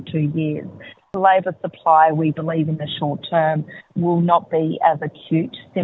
terutama saat kita tekanan